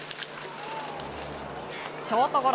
ショートゴロ。